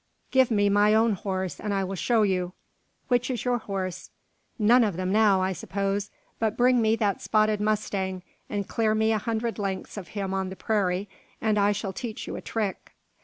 "Give me my own horse, and I will show you." "Which is your horse?" "None of them now, I suppose; but bring me that spotted mustang, and clear me a hundred lengths of him on the prairie, and I shall teach you a trick."